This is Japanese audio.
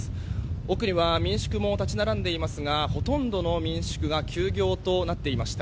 奥には民宿も立ち並んでいますがほとんどの民宿が休業となっていました。